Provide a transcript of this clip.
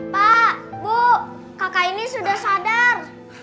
pak bu kakak ini sudah sadar